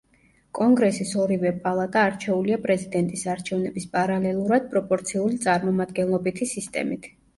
კონგრესის ორივე პალატა არჩეულია პრეზიდენტის არჩევნების პარალელურად პროპორციული წარმომადგენლობითი სისტემით.